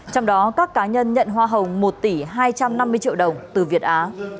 trong đó các cá nhân nhận hoa hồng một tỷ hai trăm năm mươi triệu đồng từ việt á